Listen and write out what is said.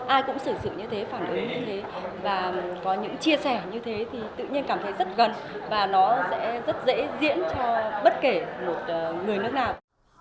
ai cũng sử dụng như thế phản ứng như thế và có những chia sẻ như thế thì tự nhiên cảm thấy rất gần và nó sẽ rất dễ diễn cho bất kể một người nước nào